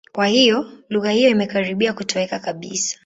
Kwa hiyo, lugha hiyo imekaribia kutoweka kabisa.